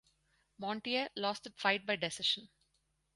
Montier lost the fight by decision.